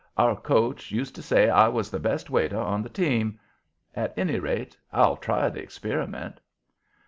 Our coach used to say I was the best waiter on the team. At any rate I'll try the experiment."